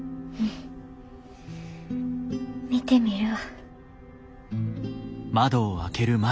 見てみるわ。